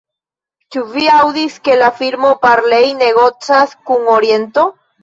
Ĉu vi aŭdis, ke la firmo Barlei negocas kun Oriento?